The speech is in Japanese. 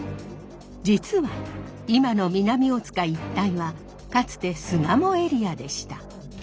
実は今の南大塚一帯はかつて巣鴨エリアでした。